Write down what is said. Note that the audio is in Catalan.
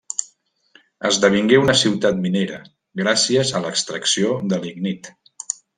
Esdevingué una ciutat minera gràcies a l'extracció de lignit.